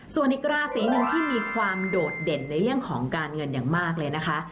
ส่วนอีกราศีหนึ่งที่มีความโดดเด่นในเรื่องของการเงินอย่างมากเลยนะคะ